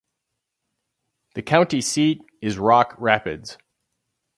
The county seat is Rock Rapids.